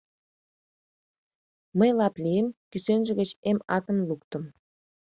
Мый лап лийым, кӱсенже гыч эм атым луктым.